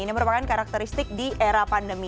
ini merupakan karakteristik di era pandemi